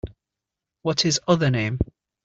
What’s his other name?